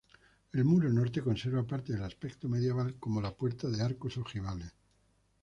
El muro norte conserva parte del aspecto medieval como la puerta de arcos ojivales.